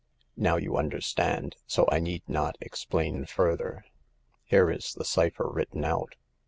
Now you understand, so I need not ex plain further. Here is the cypher written out."